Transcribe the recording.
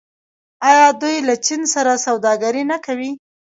آیا دوی له چین سره سوداګري نه کوي؟